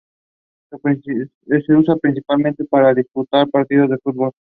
Se usa principalmente para disputar partidos de fútbol.